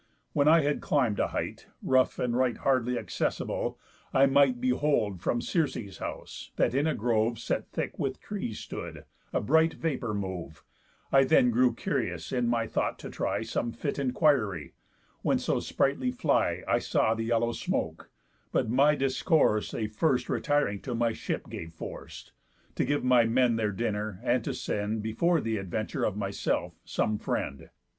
When I had climb'd a height, Rough and right hardly accessible, I might Behold from Circe's house, that in a grove Set thick with trees stood, a bright vapour move, I then grew curious in my thought to try Some fit inquiry, when so spritely fly I saw the yellow smoke; but my discourse A first retiring to my ship gave force, To give my men their dinner, and to send (Before th' adventure of myself) some friend.